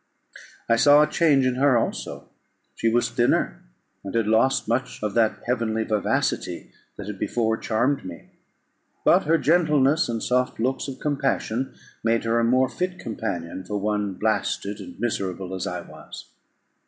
I saw a change in her also. She was thinner, and had lost much of that heavenly vivacity that had before charmed me; but her gentleness, and soft looks of compassion, made her a more fit companion for one blasted and miserable as I was.